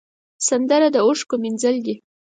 سندره د اوښکو مینځل دي